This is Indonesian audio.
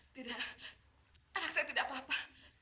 tidak anak saya tidak apa apa